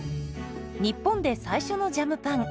日本で最初のジャムパン。